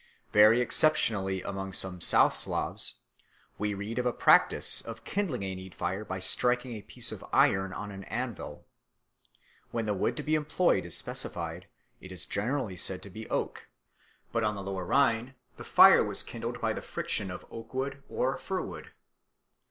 Very exceptionally among some South Slavs we read of a practice of kindling a need fire by striking a piece of iron on an anvil. Where the wood to be employed is specified, it is generally said to be oak; but on the Lower Rhine the fire was kindled by the friction of oak wood or fir wood.